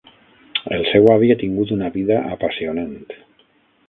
El seu avi ha tingut una vida apassionant.